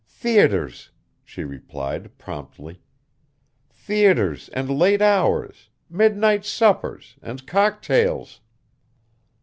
"Theatres," she replied promptly, "theatres and late hours, midnight suppers and cocktails."